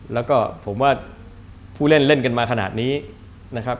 แล้วก็ผมว่าผู้เล่นเล่นกันมาขนาดนี้นะครับ